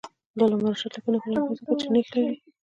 د علامه رشاد لیکنی هنر مهم دی ځکه چې نیښ لري.